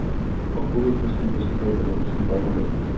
Odpověď musí poskytnout Evropský parlament.